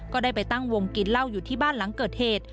ก็ได้ไปตั้งวงกินเหล้าอยู่ที่บ้านหลังเกิดเหตุ